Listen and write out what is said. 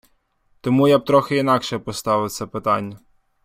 Тому я б трохи інакше поставив це питання.